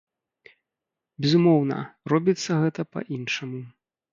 Безумоўна, робіцца гэта па-іншаму.